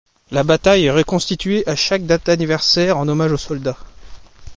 La bataille est reconstituée à chaque date anniversaire en hommage aux soldats.